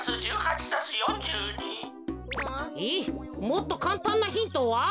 もっとかんたんなヒントは？